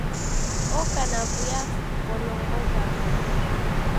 Oko na w'uya gholongoza w'andu.